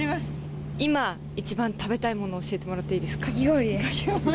今一番食べたいものを教えてもらっていいですか？